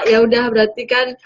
ya udah berarti kan